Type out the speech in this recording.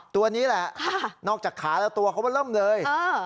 ตัวนี้แหละนอกจากขาแล้วตัวเขาก็เริ่มเลย